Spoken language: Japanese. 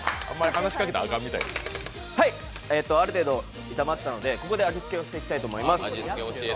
ある程度炒まったのでここで味付けをしていきたいと思います。